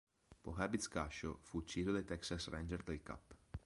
Pohebits-quasho fu ucciso dai Texas Ranger del cap.